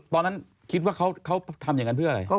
ตอนนั้นคิดว่าเขาทำอย่างนั้นเพื่ออะไร